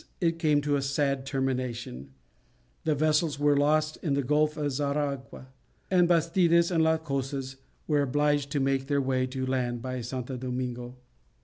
it came to a sad termination; the vessels were lost in the Gulf of Xaragua, and Bastidas and La Cosa were obliged to make their way by land to St. Domingo.